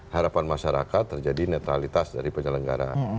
harapan masyarakat terjadi netralitas dari penyelenggara